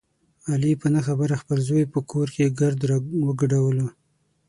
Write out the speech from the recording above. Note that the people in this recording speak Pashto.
علي په نه خبره خپل زوی په کور کې ګرد را وګډولو.